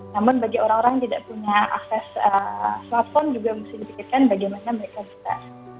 namun bagi orang orang yang tidak punya akses platform juga mesti dipikirkan bagaimana mereka bisa